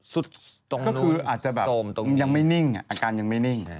สุดตรงนู้นโสมตรงนู้นก็คืออาจจะแบบยังไม่นิ่งอาการยังไม่นิ่ง